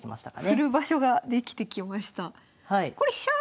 振る場所ができてきました。